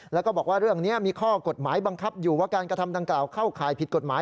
แล้วก็บอกว่าเรื่องนี้มีข้อกฎหมายบังคับอยู่ว่าการกระทำดังกล่าวเข้าข่ายผิดกฎหมาย